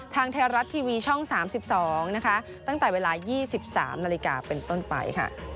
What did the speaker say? ทางไทยรัฐทีวีช่อง๓๒นะคะตั้งแต่เวลา๒๓นาฬิกาเป็นต้นไปค่ะ